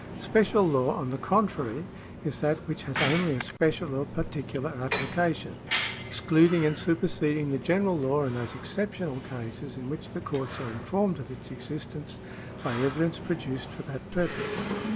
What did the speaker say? Special law, on the contrary, is that which has only a special or particular application, ex cluding and superseding the general law in those exceptional cases in which the courts are informed of its existence by evidence produced for that purpose.